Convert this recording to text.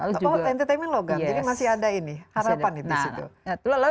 oh entertainment logam jadi masih ada ini harapan di situ